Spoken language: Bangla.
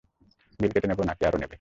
বিল কেটে নেবো নাকি আরো নেবে?